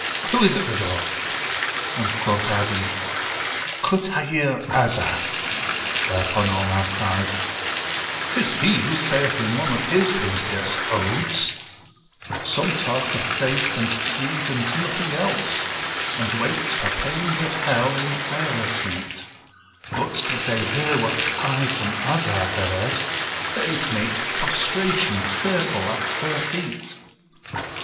Who is at the door?" And quoth 'Adi, "Kutthayir 'Azzah": whereupon Omar cried, "'Tis he who saith in one of his [impious] Odes: 'Some talk of faith and creed and nothing else, And wait for pains of Hell in prayer seat; But did they hear what I from Azzah heard, They'd make prostration, fearful, at her feet.'